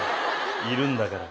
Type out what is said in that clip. いるんだから。